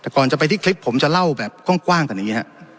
ก่อนจะไปที่คลิปผมจะเล่าแบบกว้างกันเงี้ย